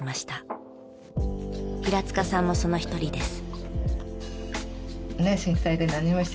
平塚さんもその一人です。